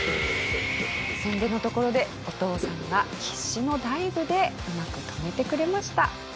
すんでのところでお父さんが必死のダイブでうまく止めてくれました。